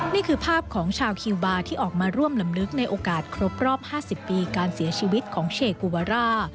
นี่คือภาพของชาวคิวบาร์ที่ออกมาร่วมลำลึกในโอกาสครบรอบ๕๐ปีการเสียชีวิตของเชกูวาร่า